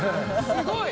すごい！